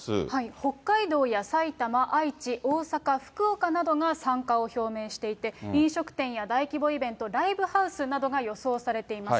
北海道や埼玉、愛知、大阪、福岡などが参加を表明していて、飲食店や大規模イベント、ライブハウスなどが予想されています。